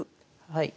はい。